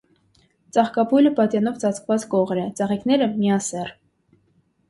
Ծաղկաբույլը պատյանով ծածկված կողր է, ծաղիկները՝ միասեռ։